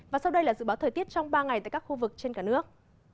và sau đây là dự báo thời tiết trong ba ngày tại các khu vực trên cả nước